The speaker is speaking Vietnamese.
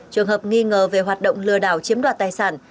trường hợp nghi ngờ về hoạt động lừa đảo chiếm đoạt tài sản